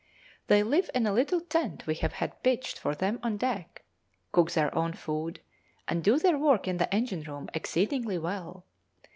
They live in a little tent we have had pitched for them on deck, cook their own food, and do their work in the engine room exceedingly well.